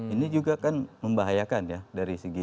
ini juga kan membahayakan ya dari segi